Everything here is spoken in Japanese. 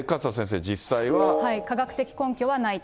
科学的根拠はないと。